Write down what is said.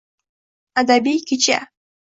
Adabiy kecha